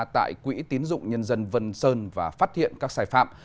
tại quỹ tiến dụng nhân dân vân sơn và phát hiện các sai phạm